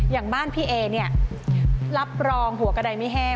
อย่างบ้านพี่เอเนี่ยรับรองหัวกระดายไม่แห้ง